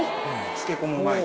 漬け込む前に。